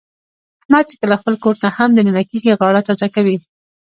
احمد چې کله خپل کورته هم د ننه کېږي، غاړه تازه کوي.